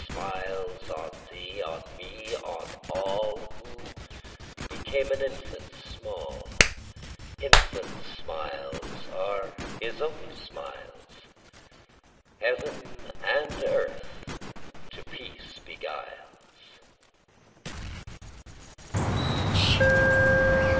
Smiles on thee, on me, on all, Who became an infant small; Infant smiles are His own smiles; Heaven and earth to peace beguiles.